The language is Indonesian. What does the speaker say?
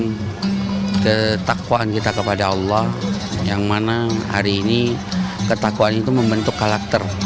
ini adalah ketakwaan kita kepada allah yang mana hari ini ketakwaan itu membentuk karakter